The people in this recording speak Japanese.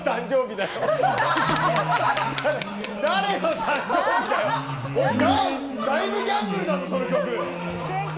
だいぶギャンブルだぞその曲。